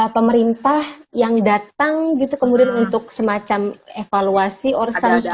pemerintah yang datang gitu kemudian untuk semacam evaluasi or stafing gitu